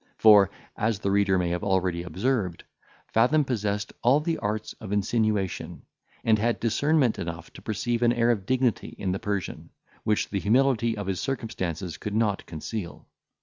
For, as the reader may have already observed, Fathom possessed all the arts of insinuation, and had discernment enough to perceive an air of dignity in the Persian, which the humility of his circumstances could not conceal.